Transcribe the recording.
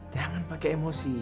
jangan pakai emosi